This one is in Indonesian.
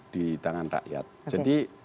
di tangan rakyat jadi